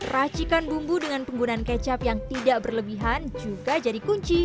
racikan bumbu dengan penggunaan kecap yang tidak berlebihan juga jadi kunci